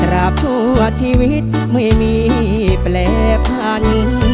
ทราบชัวร์ชีวิตไม่มีแปลภัณฑ์